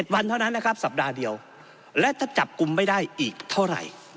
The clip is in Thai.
วันเท่านั้นนะครับสัปดาห์เดียวและถ้าจับกลุ่มไม่ได้อีกเท่าไหร่